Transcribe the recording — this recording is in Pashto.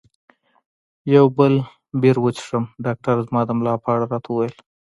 یو بل بیر وڅښم؟ ډاکټر زما د ملا په اړه راته وویل.